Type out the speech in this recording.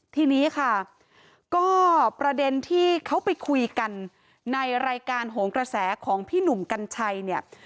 ทีนี้ค่ะก็ประเด็นที่เขาไปคุยกันในรายการโหนกระแสของพี่หนุ่มกัญชัยเนี่ย